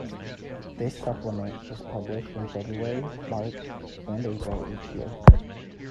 This supplement is published in February, March and April each year.